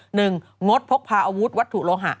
งดพกพาอาวุธวัตถุโลหะ